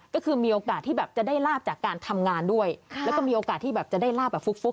ก็คือมีโอกาสที่แบบจะได้ลาบจากการทำงานด้วยแล้วก็มีโอกาสที่แบบจะได้ลาบแบบฟุก